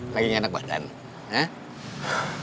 lagi gak enak badan hah